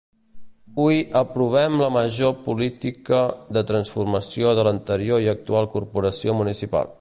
Hui aprovem la major política de transformació de l’anterior i actual corporació municipal.